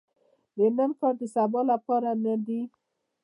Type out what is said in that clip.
د نن کار د سبا لپاره نه دي .